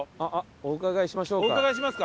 お伺いしましょうか。